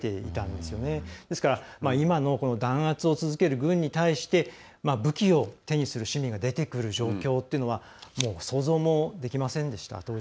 ですから今の弾圧を続ける軍に対して武器を手にする市民が出てくる状況というのは当時は想像もできませんでした。